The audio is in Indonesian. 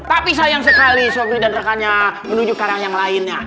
tapi sayang sekali sofi dan rekannya menuju karang yang lainnya